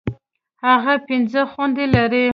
هغه پنځه خويندي لري.